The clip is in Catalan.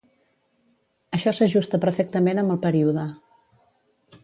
Això s'ajusta perfectament amb el període